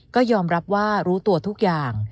ก็ยอมรับว่ารู้ตัวทุกอย่าง